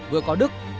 vừa có đức